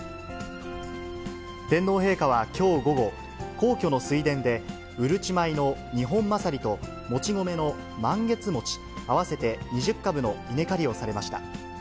天皇陛下はきょう、皇居の水田で、うるち米のニホンマサリともち米のマンゲツモチ合わせて２０株の稲刈りをされました。